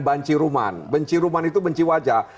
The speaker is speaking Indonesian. banci ruman benci ruman itu benci wajah